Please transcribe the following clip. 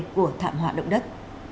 của thảm họa động đất